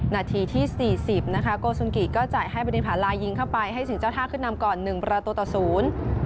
นาทีที่๔๐ก็จ่ายให้บริษัทลายิงเข้าไปให้สิ่งเจ้าท่าขึ้นนำก่อน๑ประตูต่อศูนย์